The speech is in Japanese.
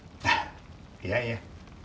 いやいや。